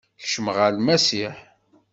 Kecmeɣ ɣer Lmasiḥ.